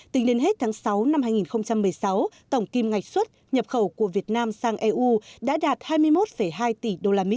tính đến hết tháng sáu năm hai nghìn một mươi sáu tổng kim ngạch xuất nhập khẩu của việt nam sang eu đã đạt hai mươi một hai tỷ usd